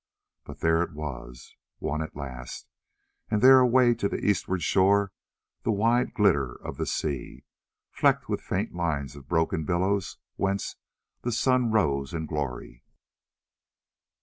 But there it was, won at last, and there away to the eastward shone the wide glitter of the sea, flecked with faint lines of broken billows whence the sun rose in glory.